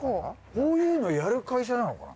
こういうのやる会社なのかな？